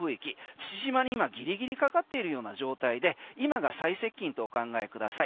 父島に今ギリギリかかっているような状態で今が最接近とお考えください。